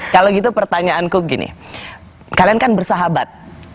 kalau gitu pertanyaanku begini kalian kan bersahabat